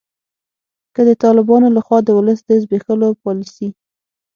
که د طالبانو لخوا د ولس د زبیښولو پالسي